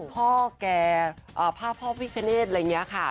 พ่อแก่พ่อพ่อพี่เกณฑ์อะไรอย่างนี้ค่ะ